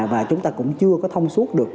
và chúng ta cũng chưa có thông suốt được